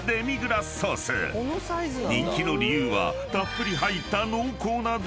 ［人気の理由はたっぷり入った］